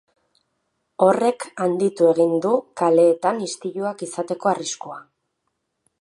Horrek handitu egin du kaleetan istiluak izateko arriskua.